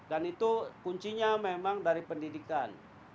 dan itu kuncinya memang dari pendidikan